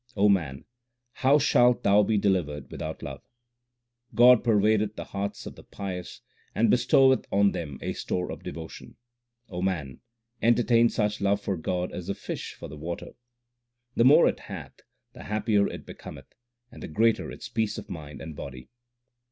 O man, how shalt thou be delivered without love ? God pervadeth the hearts of the pious, and bestoweth on them a store of devotion. O man, entertain such love for God as the fish for the water. The more it hath, the happier it becometh, and the greater its peace of mind and body.